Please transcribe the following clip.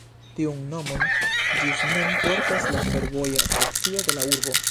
Tiun nomon ĝis nun portas la fervoja stacio de la urbo.